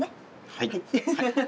はい。